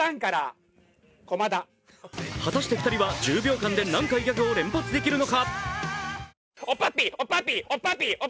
果たして２人は１０秒間で何回ギャグを連発できるのか。